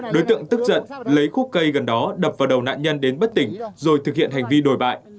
đối tượng tức giận lấy khúc cây gần đó đập vào đầu nạn nhân đến bất tỉnh rồi thực hiện hành vi đồi bại